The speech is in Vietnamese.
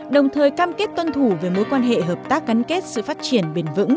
đồng thời cam kết tuân thủ về mối quan hệ hợp tác gắn kết sự phát triển bền vững